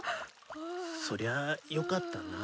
そりゃよかったな。